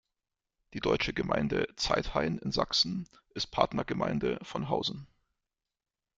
Die deutsche Gemeinde Zeithain in Sachsen ist Partnergemeinde von Hausen.